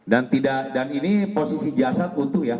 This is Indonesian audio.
dan ini posisi jasad butuh ya